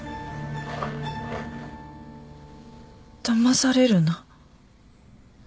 「だまされるな」？